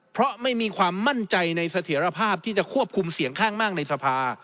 เพราะไม่มีความมั่นใจในเสถียรภาพที่จะควบคุมเสียงข้างมากในสภา